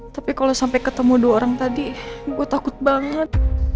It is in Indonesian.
tapi kalau sampai ketemu dua orang tadi gue takut banget